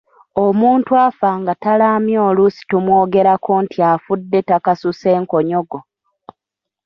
Omuntu afa nga talaamye oluusi tumwogerako nti afudde takasuse nkonyogo.